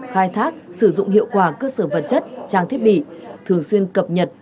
khai thác sử dụng hiệu quả cơ sở vật chất trang thiết bị thường xuyên cập nhật